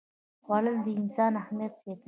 خوړل د انسان همت زیاتوي